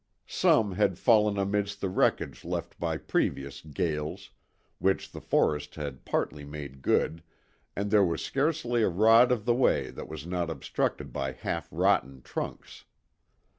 Some had fallen amidst the wreckage left by previous gales, which the forest had partly made good, and there was scarcely a rod of the way that was not obstructed by half rotten trunks.